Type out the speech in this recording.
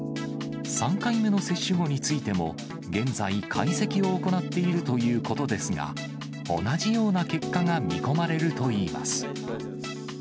３回目の接種後についても、現在、解析を行っているということですが、同じような結果が見込まれるといいます。